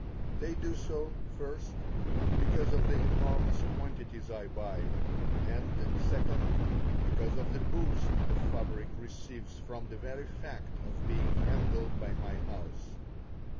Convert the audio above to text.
They do so, first, because of the enormous quantities I buy, and, second, because of the "boost" a fabric receives from the very fact of being handled by my house.